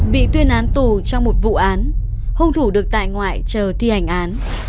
bị tuyên án tù trong một vụ án hung thủ được tại ngoại chờ thi hành án